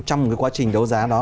trong cái quá trình đấu giá đó